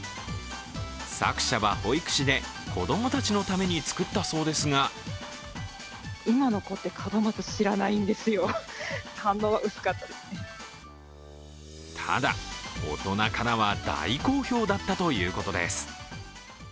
作者は保育士で子供たちのために作ったそうですがただ、大人からは大好評だったということです。